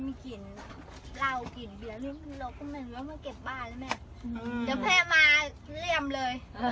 เดี๋ยวแภมาเลี่ยมเลย